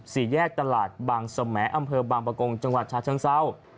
สี่แยกตลาดบางสมแออำเภอบางประกงจังหวัดชาเชิงเศร้า